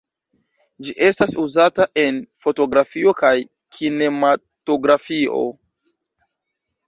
Ĝi estas uzata en fotografio kaj kinematografio.